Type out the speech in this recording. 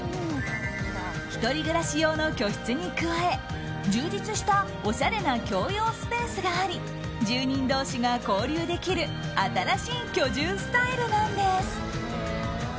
１人暮らし用の居室に加え充実したおしゃれな共用スペースがあり住人同士が交流できる新しい居住スタイルなんです。